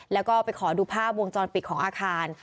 แล้วก็ไปขอดูภาพวงจรปิดของอาคาร